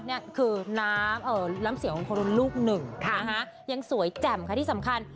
นี่คือน้ำเสียงของคนลูกหนึ่งนะคะยังสวยแจ่มค่ะที่สำคัญ